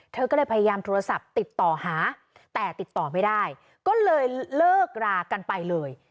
เธอก็เลยพยายามโทรศัพท์ติดต่อหาแต่ติดต่อไม่ได้ก็เลยเลิกรากันไปเลย